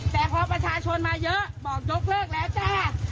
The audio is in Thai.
แต่พอประชาชนมาเยอะบอกยกเลิกแล้วจ้า